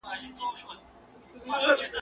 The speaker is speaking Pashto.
د ړندو په ښار کي يو سترگئ پاچا دئ.